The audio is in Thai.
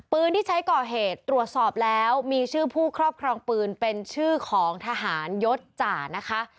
ปืนที่ใช้ก่อเหตุตรวจสอบแล้วมีชื่อผู้ครอบครองปืนเป็นชื่อของทหารยศจ่านะคะ